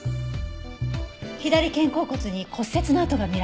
左肩甲骨に骨折の痕が見られました。